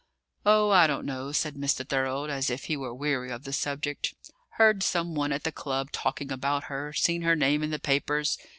"Oh, I don't know," said Mr. Thorold, as if he were weary of the subject. "Heard some one at the Club talking about her; seen her name in the papers.